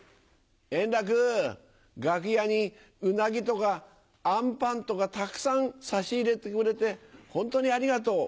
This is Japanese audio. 円楽、楽屋にうなぎとか、あんぱんとかたくさん差し入れてくれて本当にありがとう。